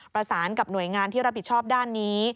ประสานกับหน่วยงานที่รับผิดชอบด้านนี้